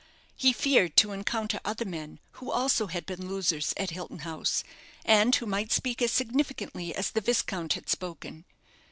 He feared to encounter other men who also had been losers at Hilton House, and who might speak as significantly as the viscount had spoken.